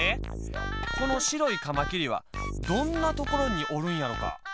このしろいかまきりはどんなところにおるんやろか？